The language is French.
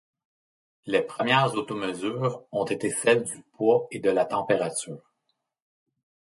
Les premières automesures ont été celles du poids et de la température.